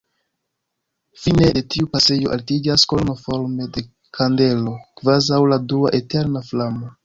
Fine de tiu pasejo altiĝas kolono forme de kandelo, kvazaŭ la dua eterna flamo.